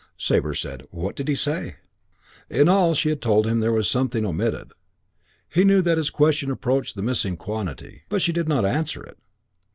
Sabre said, "What did he say?" In all she had told him there was something omitted. He knew that his question approached the missing quantity. But she did not answer it.